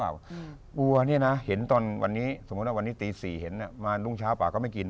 วัวเนี่ยนะเห็นตอนวันนี้สมมุติว่าวันนี้ตี๔เห็นมารุ่งเช้าป่าก็ไม่กิน